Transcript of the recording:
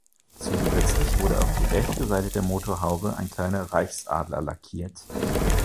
Zusätzlich wurde auf die rechte Seite der Motorhaube ein kleiner Reichsadler lackiert.